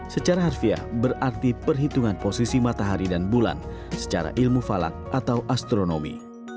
secara harfiah berarti perhitungan posisi matahari dan bulan secara ilmu falak atau astronomi